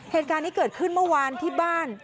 เหตุการณ์นี้เกิดขึ้นเมื่อวานที่บ้าน